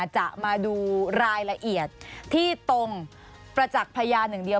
จะมาดูรายละเอียดที่ตรงประจักษ์พยานอย่างเดียว